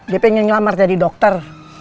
dia pengen nyelamar jadi dokter